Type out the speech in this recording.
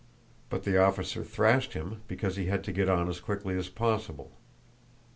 But the officer thrashed him because he had to get on as quickly as possible.